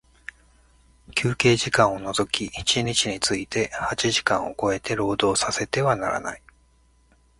休憩時間を除き一日について八時間を超えて、労働させてはならない。